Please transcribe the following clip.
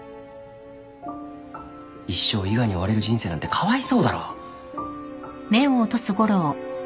一生伊賀に追われる人生なんてかわいそうだろ。